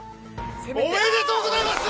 おめでとうございます！